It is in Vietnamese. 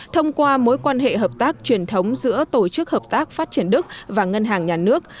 thông qua mối quan hệ hợp tác truyền thống giữa tổ chức hợp tác phát triển đức và ngân hàng nhà nước